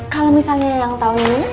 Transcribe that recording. kalau misalnya yang tahun ini